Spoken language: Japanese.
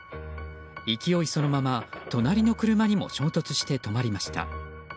勢いそのまま、隣の車にも衝突して止まりました。